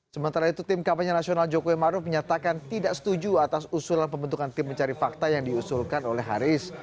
sementara itu tim kampanye nasional jokowi maruf menyatakan tidak setuju atas usulan pembentukan tim mencari fakta yang diusulkan oleh haris